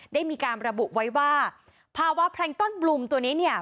ได้มีการระบุไว้ว่าภาวะแพลงต้อนบลูมตัวนี้เนี่ย